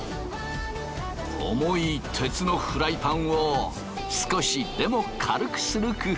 重い鉄のフライパンを少しでも軽くする工夫だ。